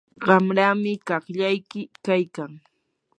qanrami qaqllayki kaykan.